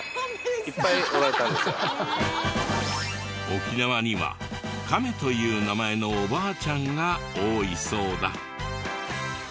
沖縄にはカメという名前のおばあちゃんが多いそうだ。